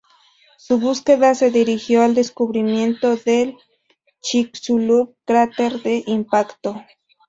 Su búsqueda se dirigió al descubrimiento del Chicxulub cráter de impacto.